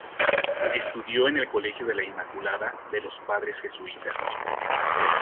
Estudió en el Colegio de la Inmaculada, de los padres jesuitas.